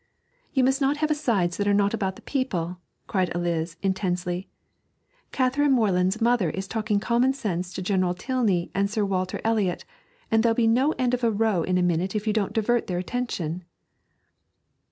'You must not have asides that are not about the people,' cried Eliz intensely. 'Catherine Moreland's mother is talking common sense to General Tilney and Sir Walter Eliot, and there'll be no end of a row in a minute if you don't divert their attention.'